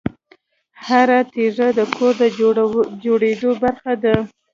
هره تیږه د کور د جوړېدو برخه ده.